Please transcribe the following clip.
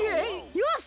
よし！